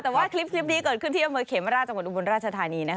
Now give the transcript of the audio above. แต่ว่าคลิปนี้เกิดขึ้นที่อำเภอเขมราชจังหวัดอุบลราชธานีนะคะ